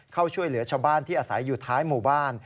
เข้าช่วยเหลือชาวบ้านที่อาศัยอยู่ท้ายหมู่บ้าน